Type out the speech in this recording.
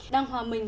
đang hòa mình